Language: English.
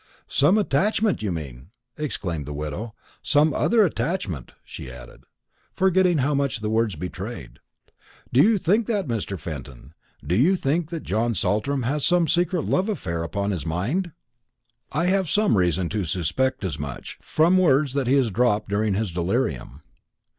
"Some attachment, you mean!" exclaimed the widow; "some other attachment," she added, forgetting how much the words betrayed. "Do you think that, Mr. Fenton? Do you think that John Saltram has some secret love affair upon his mind?" "I have some reason to suspect as much, from words that he has dropped during his delirium."